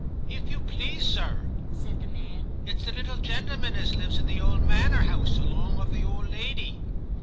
* If you please, sir,' said the man, ' it's the little gentleman as lives in the old manor house along of the old lady.'